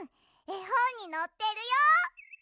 えほんにのってるよ。